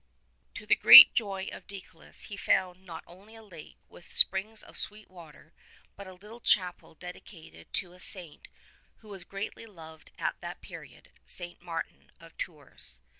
To the great joy of Deicolus he found not only a lake with springs of sweet water but a little chapel dedicated to a saint who was greatly loved at that period, St. Martin of Tours.